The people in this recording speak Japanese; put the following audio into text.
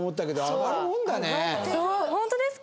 ホントですか？